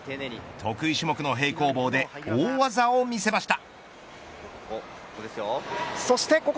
得意種目の平行棒で大技を見せました。